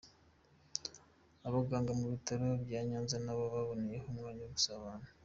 Abaganga mu bitaro bya Nyanza nabo baboneyeho umwanya wo gusabana.